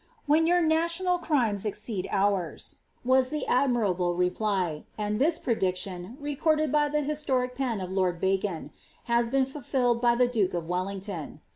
^ When your national crimes exceed ours," was the admir able reply ; and this prediction, recorded by the historic pen of Lord Bacon, has been fulfilled by the duke of Wellington.